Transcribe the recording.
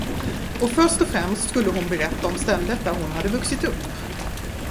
Och först och främst skulle hon berätta om stället där hon hade vuxit upp.